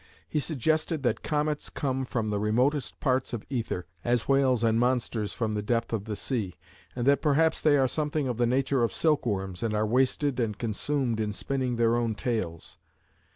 He suggested that comets come from the remotest parts of ether, as whales and monsters from the depth of the sea, and that perhaps they are something of the nature of silkworms, and are wasted and consumed in spinning their own tails.